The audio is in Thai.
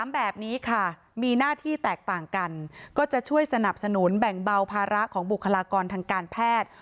แบบนี้ค่ะมีหน้าที่แตกต่างกันก็จะช่วยสนับสนุนแบ่งเบาภาระของบุคลากรทางการแพทย์